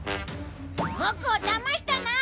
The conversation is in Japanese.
ボクをだましたな！？